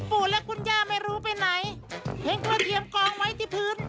แบบนี้เด็กดีอย่างเราต้องช่วยเหลือครอบครัว